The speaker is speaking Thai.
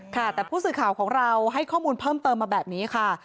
ค่ะแต่ผู้สื่อข่าวของเราให้ข้อมูลเพิ่มเติมมาแบบนี้ค่ะ